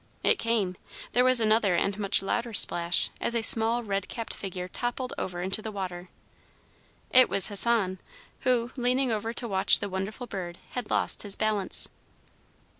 It came! There was another and much louder splash as a small red capped figure toppled over into the water. It was Hassan, who, leaning over to watch the wonderful bird, had lost his balance.